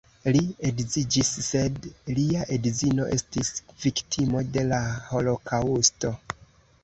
Li edziĝis, sed lia edzino estis viktimo de la holokaŭsto.